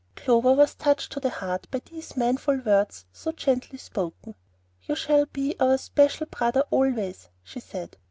Clover was touched to the heart by these manful words so gently spoken. "You shall be our dear special brother always," she said.